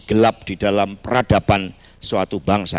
gelap di dalam peradaban suatu bangsa